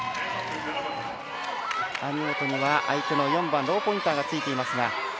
網本には相手の４番ローポインターがついています。